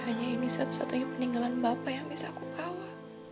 hanya ini satu satunya peninggalan bapak yang bisa aku bawa